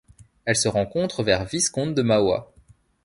Elle se rencontre vers Visconde de Mauá.